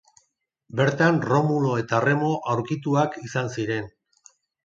Bertan Romulo eta Remo aurkituak izan ziren.